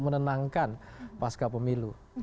menenangkan pasca pemilu